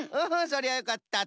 そりゃよかった！